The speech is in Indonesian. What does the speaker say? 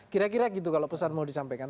kira kira gitu kalau pesan mau disampaikan